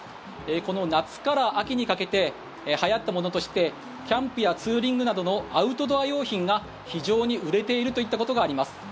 この夏から秋にかけてはやったものとしてキャンプやツーリングなどのアウトドア用品が非常に売れているといったことがあります。